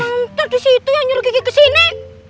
entar disitu yang nyuruh kiki kesini